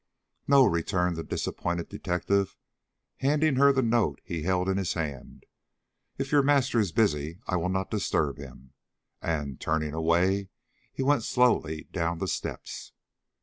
"No," returned the disappointed detective, handing her the note he held in his hand. "If your master is busy I will not disturb him." And, turning away, he went slowly down the steps.